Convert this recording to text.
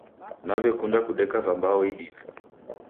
Nawekunda kudeka vambao idime